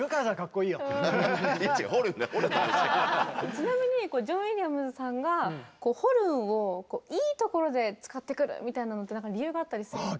ちなみにジョン・ウィリアムズさんがホルンをいいところで使ってくるみたいなのって何か理由があったりするんですか？